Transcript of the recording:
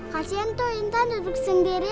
kasian tuh intan duduk sendiri